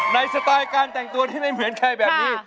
สไตล์การแต่งตัวที่ไม่เหมือนใครแบบนี้